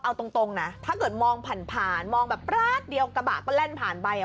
เอาตรงนะถ้าเกิดมองผ่านผ่านมองแบบแป๊บเดียวกระบะก็แล่นผ่านไปอ่ะ